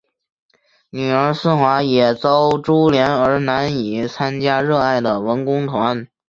女儿思华也遭株连而难以参加热爱的文工团。